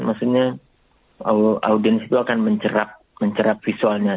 maksudnya audience itu akan mencerap visualnya